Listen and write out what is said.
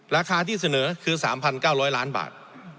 ราคาที่เสนอคือ๓๙๐๐ล้านบาท